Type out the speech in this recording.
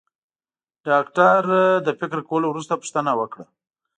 ډاکټر د فکر کولو وروسته پوښتنه وکړه.